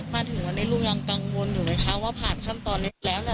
มาถึงวันนี้ลุงยังกังวลอยู่ไหมคะว่าผ่านขั้นตอนนี้แล้วแหละ